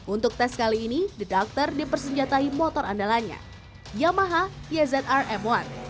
untuk tes kali ini the doctor dipersenjatai motor andalanya yamaha yzr m satu